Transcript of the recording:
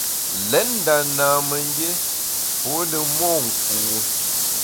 Lét nda namemgbié pô ne monku.